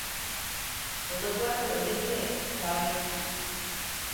Olacakla öleceğe çare yoktur.